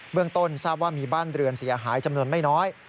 เรื่องต้นทราบว่ามีบ้านเรือนเสียหายจำนวนไม่น้อย